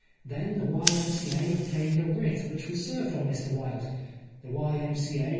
Then the Y.M.C.A. obtained a writ which was served on Mr Wilde. The Y.M.C.A.